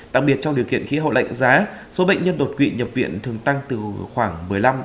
đặc biệt trong điều kiện khí hậu lạnh giá số bệnh nhân đột quỵ nhập viện thường tăng từ khoảng một mươi năm